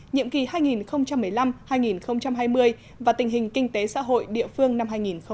nhiệm kỳ hai nghìn một mươi năm hai nghìn hai mươi và tình hình kinh tế xã hội địa phương năm hai nghìn hai mươi